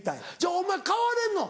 お前変われんの？